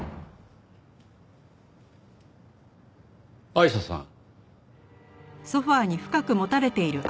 アイシャさん。